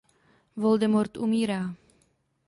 Voldemort umírá.